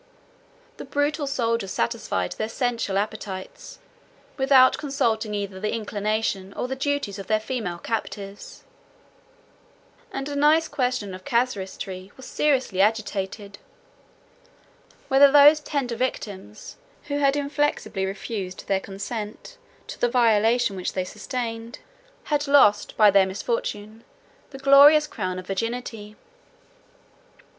The brutal soldiers satisfied their sensual appetites, without consulting either the inclination or the duties of their female captives: and a nice question of casuistry was seriously agitated, Whether those tender victims, who had inflexibly refused their consent to the violation which they sustained, had lost, by their misfortune, the glorious crown of virginity.